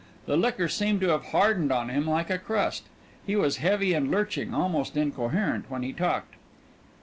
The liquor seemed to have hardened on him like a crust. He was heavy and lurching almost incoherent when he talked.